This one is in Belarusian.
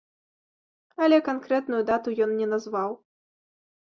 Але канкрэтную дату ён не назваў.